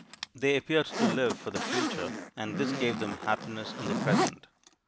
They appeared to live for the future, and this gave them happiness in the present.